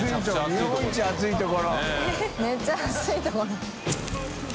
めっちゃ暑いところ。